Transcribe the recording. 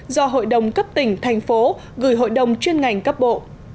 do hội đồng cấp tỉnh thành phố gửi hội đồng chuyên ngành cấp bộ